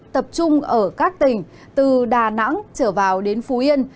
tập trung ở các tỉnh từ đà nẵng trở vào đến phú yên